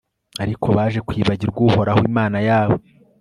ariko baje kwibagirwa uhoraho imana yabo